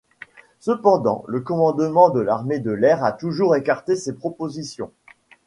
Cependant, le commandement de l'armée de l'air a toujours écarté ces propositions.